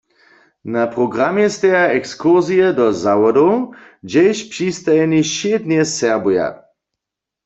Na programje steja ekskursije do zawodow, hdźež přistajeni wšědnje serbuja.